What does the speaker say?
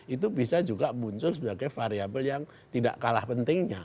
itu bisa juga muncul sebagai variable yang tidak kalah pentingnya